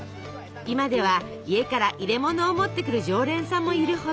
今では家から入れものを持ってくる常連さんもいるほど。